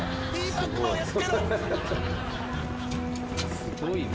すごいね。